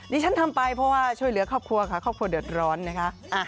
ที่ฉันทำไปเพราะว่าช่วยเหลือครอบครัวค่ะครอบครัวเดือดร้อนนะคะ